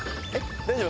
大丈夫？